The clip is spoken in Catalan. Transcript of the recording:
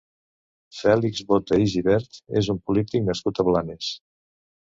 Fèlix Bota i Gibert és un polític nascut a Blanes.